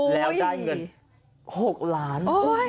แล้วได้เงิน๖ล้าน